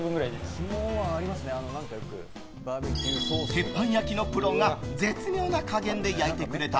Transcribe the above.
鉄板焼きのプロが絶妙な加減で焼いてくれた